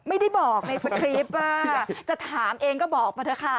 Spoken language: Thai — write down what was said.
ไม่ได้บอกในสคริปต์ว่าจะถามเองก็บอกมาเถอะค่ะ